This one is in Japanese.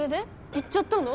行っちゃったの？